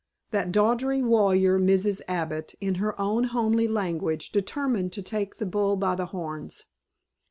That doughty warrior, Mrs. Abbott, in her own homely language determined to take the bull by the horns.